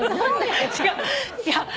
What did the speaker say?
違う。